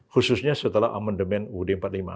khususnya setelah amendement ud empat puluh lima